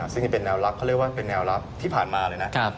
ซึ่งนี่เป็นแนวลับเขาเรียกว่าเป็นแนวรับที่ผ่านมาเลยนะ